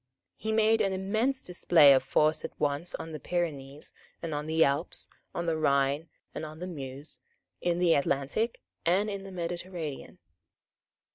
He made an immense display of force at once on the Pyrenees and on the Alps, on the Rhine and on the Meuse, in the Atlantic and in the Mediterranean.